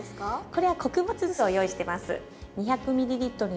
これは穀物酢を用意してます。